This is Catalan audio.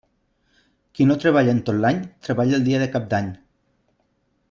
Qui no treballa en tot l'any, treballa el dia de Cap d'Any.